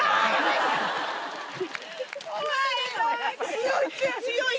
強い強い。